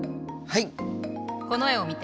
はい。